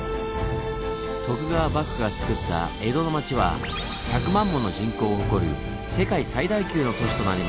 徳川幕府がつくった江戸の町は１００万もの人口を誇る世界最大級の都市となりました。